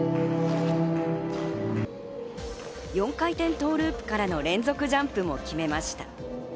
４回転トーループからの連続ジャンプも決めました。